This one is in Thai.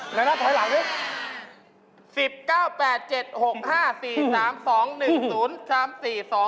หน่อยนัดไทยหลังนิ